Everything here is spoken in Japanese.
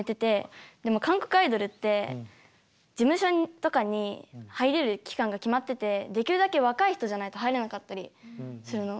でも韓国アイドルって事務所とかに入れる期間が決まっててできるだけ若い人じゃないと入れなかったりするの。